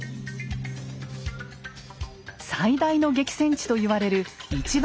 最大の激戦地と言われる一番